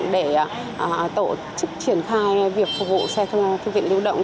để tổ chức triển khai việc phục vụ xe thư viện lưu động